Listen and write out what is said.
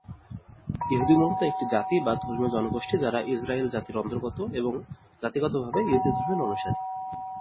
ইহুদি মূলত একটি জাতি বা ধর্মীয় জনগোষ্ঠী যারা ইস্রায়েল জাতির অন্তর্গত এবং জাতিগতভাবে ইহুদি ধর্মের অনুসারী।